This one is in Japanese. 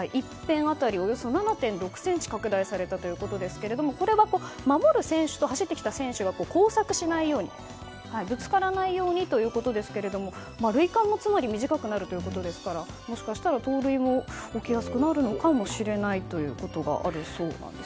７．６ｃｍ拡大されたということですが守る選手と走ってきた選手が交錯しないようにぶつからないようにということですが塁間も短くなるということでもしかしたら盗塁も起きやすくなるかもしれないということです。